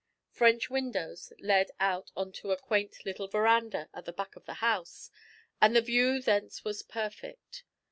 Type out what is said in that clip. French windows led out on to a quaint little verandah at the back of the house, and the view thence was perfect.